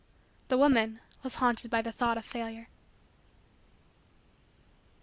The woman was haunted by the thought of Failure.